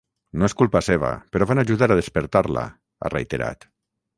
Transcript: No és culpa seva, però van ajudar a despertar-la, ha reiterat.